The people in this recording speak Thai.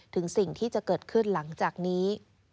ถึงสิ่งที่จะเกิดขึ้นหลังจากนี้